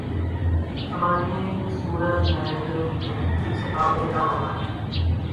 سمجھنے کی ضرورت ہے کہ ملکی سطح پہ کیا ہو رہا ہے۔